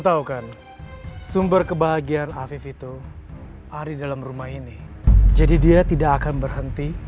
tahu kan sumber kebahagiaan afif itu ada di dalam rumah ini jadi dia tidak akan berhenti